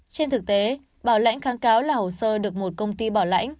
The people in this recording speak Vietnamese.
trên thực tế bỏ lãnh kháng cáo là hồ sơ được một công ty bỏ lãnh